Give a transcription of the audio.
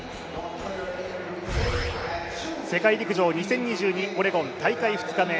世界陸上２０２２オレゴン大会２日目。